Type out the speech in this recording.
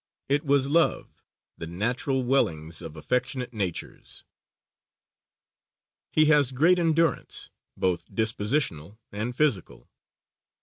It was love, the natural wellings of affectionate natures. _He has great endurance, both dispositional and physical.